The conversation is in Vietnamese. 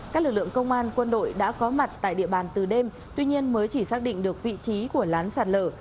các lực lượng công an quân đội đã có mặt tại địa bàn từ đêm tuy nhiên mới chỉ xác định được vị trí của lán sạt lở